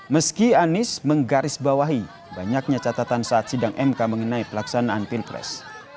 meski anies menggarisbawahi banyaknya catatan saat sidang mk mengenai pelaksanaan pilpres